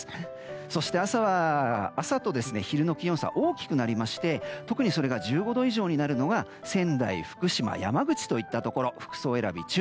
そして、朝と昼の気温差は大きくなりまして特にそれが１５度以上になるのが仙台、福島、山口といったところ服装選びに注意。